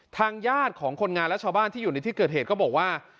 ทางญาติของคนงานและชาวบ้านที่อยู่ในที่เกิดเหตุก็บอกว่า